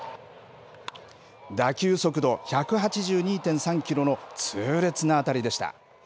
打球速度１８２．３キロの痛烈な当たりでした。